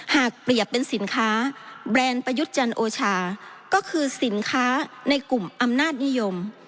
หากเปรียบเป็นสินค้าแบรนด์ประยุทธ์จันทร์โอชาก็คือสินค้าในกลุ่มอำนาจนิยม